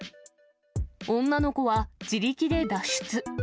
女の子は自力で脱出。